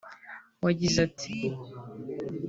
wagize ati